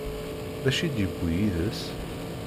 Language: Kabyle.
D acu i d-yewwi yid-s?